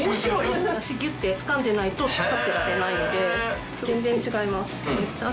足ギュってつかんでないと立ってられないので全然違います。